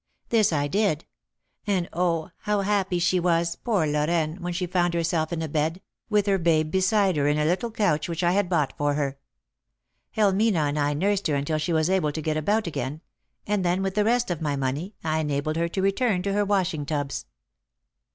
This I did; and, oh, how happy she was, poor Lorraine, when she found herself in a bed, with her babe beside her in a little couch which I had bought for her! Helmina and I nursed her until she was able to get about again, and then, with the rest of my money, I enabled her to return to her washing tubs."